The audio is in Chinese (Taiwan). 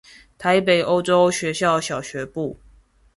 臺北歐洲學校小學部